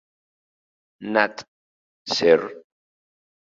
Nat., Ser.